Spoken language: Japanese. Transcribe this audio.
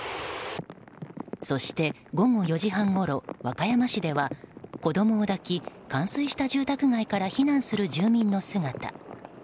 そして、午後４時半ごろ和歌山市では子供を抱き、冠水した住宅街から避難する住民の姿。